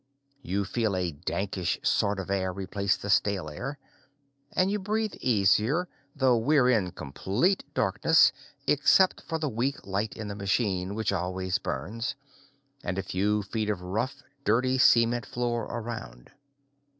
You feel a dankish sort of air replace the stale air, and you breathe easier, though we're in complete darkness, except for the weak light in the machine, which always burns, and a few feet of rough dirty cement floor around.